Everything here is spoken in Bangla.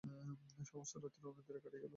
সমস্ত রাত্রি অনিদ্রায় কাটিয়া গেল।